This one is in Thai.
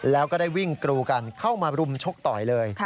แล้วก็ได้วิ่งกรูกันเข้ามารุมชกต่อยเลย